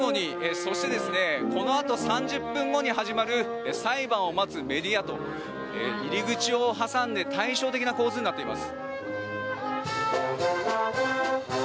そして、このあと３０分後に始まる裁判を待つメディアと入り口を挟んで対照的な構図になっています。